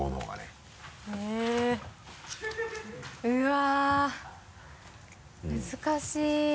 うわぁ難しい。